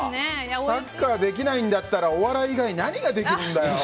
サッカーできないんだったらお笑い以外何ができるんだよ！